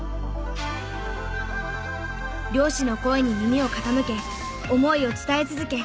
漁師の声に耳を傾け思いを伝え続け